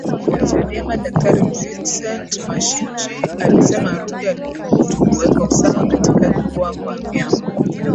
wa Chadema Daktari Vicent Mashinji alisema Ruge alithubutu kuweka usawa katika jukwaa kwa vyama